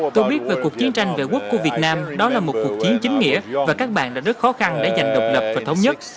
tôi biết về cuộc chiến tranh vệ quốc của việt nam đó là một cuộc chiến chính nghĩa và các bạn đã rất khó khăn để giành độc lập và thống nhất